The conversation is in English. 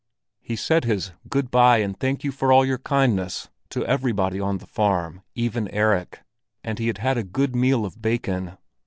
He had said his "Good bye and thank you for all your kindness!" to everybody on the farm—even Erik; and he had had a good meal of bacon.